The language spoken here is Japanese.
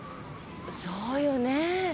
そうよね。